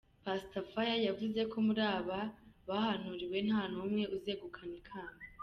Pastor Fire yavuze ko muri aba bahanuriwe nta n’umwe uzegukana ikamba.